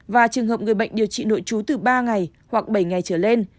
và trường hợp người bệnh điều trị nội trú từ ba ngày hoặc bảy ngày trở lên